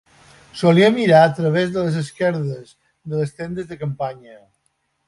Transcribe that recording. Solia mirar a través de les esquerdes de les tendes de campanya.